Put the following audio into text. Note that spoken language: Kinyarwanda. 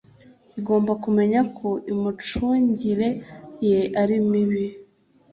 igomba kumenya ko imicungire ye ari mibi